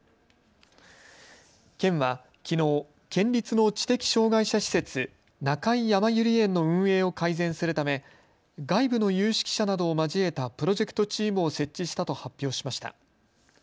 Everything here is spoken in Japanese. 県はきのう、県立の知的障害者施設、中井やまゆり園の運営を改善するため外部の有識者などを交えたプロジェクトチームを設置したと発表しました。